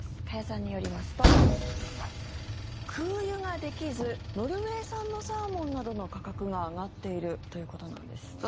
加谷さんによりますと空輸ができずノルウェー産のサーモンなどの価格が上がっているということなんです。